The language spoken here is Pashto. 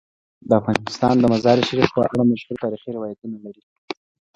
افغانستان د مزارشریف په اړه مشهور تاریخی روایتونه لري.